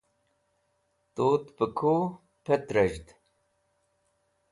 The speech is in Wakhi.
Tut pe ku pẽtrez̃ht.